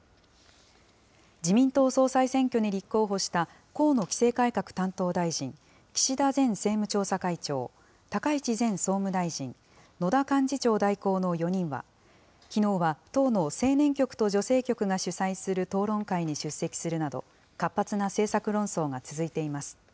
自民党総裁選挙に立候補した河野規制改革担当大臣、岸田前政務調査会長、高市前総務大臣、野田幹事長代行の４人は、きのうは党の青年局と女性局が主催する討論会に出席するなど、活発な政策論争が続いています。